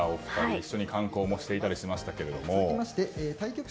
一緒に観光をしていたりしていましたけども。